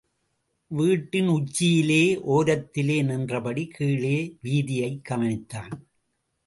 வீட்டின் உச்சியிலே ஓரத்திலே நின்றபடி கீழே வீதியைக் கவனித்தான்.